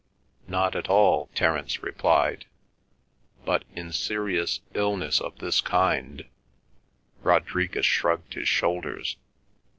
"Not at all," Terence replied, "but in serious illness of this kind—" Rodriguez shrugged his shoulders.